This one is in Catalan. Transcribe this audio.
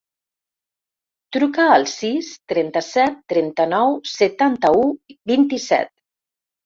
Truca al sis, trenta-set, trenta-nou, setanta-u, vint-i-set.